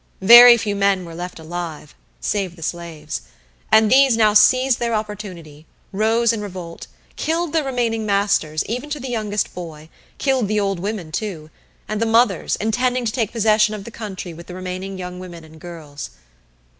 Very few men were left alive, save the slaves; and these now seized their opportunity, rose in revolt, killed their remaining masters even to the youngest boy, killed the old women too, and the mothers, intending to take possession of the country with the remaining young women and girls.